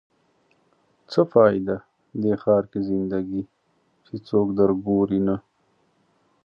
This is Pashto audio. څه فایده؟ دې ښار کې زنده ګي چې څوک در ګوري نه